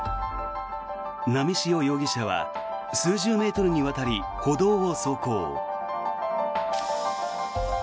波汐容疑者は数十メートルにわたり歩道を走行。